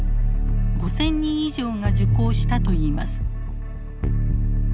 ５，０００人以上が受講したといいます。